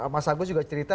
mas agus juga cerita